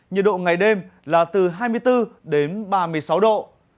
nhiệt độ ngày đêm là từ hai mươi bốn đến ba mươi sáu độ